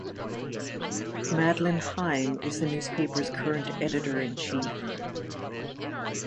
Madeline Heim is the newspaper's current editor-in-chief.